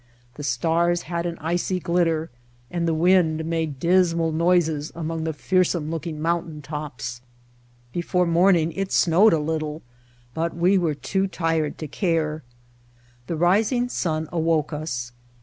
The stars had an icy glitter and the wind made dismal noises among the fearsome looking mountain tops; before morn Entering Death Valley ing it snowed a little, but we were too tired to care. The rising sun awoke us.